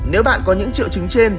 nếu bạn có những triệu chứng trên